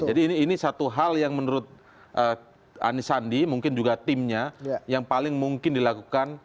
jadi ini satu hal yang menurut anisandi mungkin juga timnya yang paling mungkin dilakukan